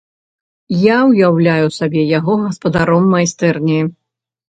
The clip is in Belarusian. Я ўяўляў сабе яго гаспадаром майстэрні.